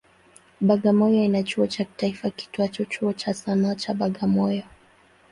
Bagamoyo ina chuo cha kitaifa kiitwacho Chuo cha Sanaa cha Bagamoyo.